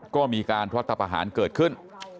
ก็มีการทศพหารเกิดขึ้น